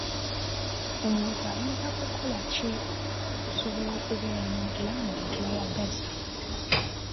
Omuntu ayinza kukola ki okusobola okubeera n'obulamu obweyagaza?